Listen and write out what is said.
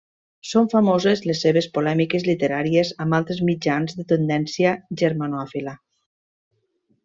Són famoses les seves polèmiques literàries amb altres mitjans de tendència germanòfila.